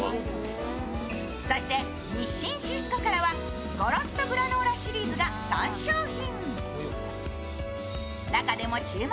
そして日清シスコからごろっとグラノーラシリーズから３商品。